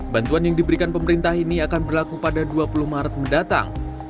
bantuan yang diberikan pemerintah ini akan berlaku pada dua puluh maret mendatang